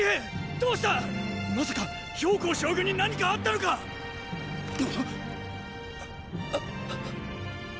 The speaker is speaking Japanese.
どうした⁉まさか公将軍に何かあったのか⁉⁉ほ煖！！